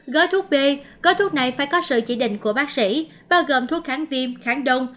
gói thuốc b gói thuốc này phải có sự chỉ định của bác sĩ bao gồm thuốc kháng viêm kháng đông